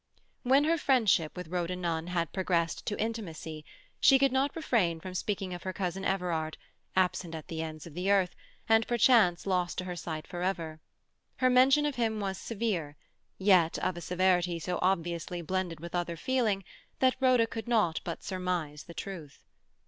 When her friendship with Rhoda Nunn had progressed to intimacy, she could not refrain from speaking of her cousin Everard, absent at the ends of the earth, and perchance lost to her sight for ever. Her mention of him was severe, yet of a severity so obviously blended with other feeling, that Rhoda could not but surmise the truth.